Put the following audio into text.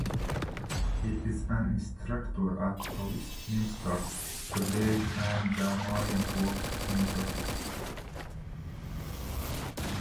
He is an instructor at Westminster College and the Marine Corps University.